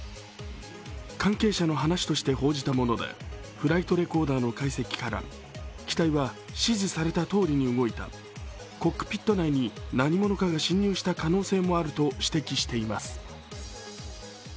関係者の話として報じたものでフライトレコーダーの解析から機体は指示されたとおりに動いた、コックピット内に何者かが侵入した可能性もあると指摘しています。